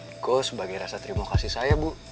eko sebagai rasa terima kasih saya bu